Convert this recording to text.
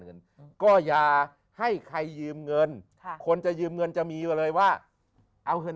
เงินก็อย่าให้ใครยืมเงินค่ะคนจะยืมเงินจะมีไว้เลยว่าเอาเงิน